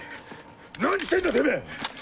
何してんだてめぇ！